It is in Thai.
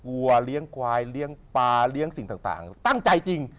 วัวเลี้ยงควายเลี้ยงปลาเลี้ยงสิ่งต่างตั้งใจจริง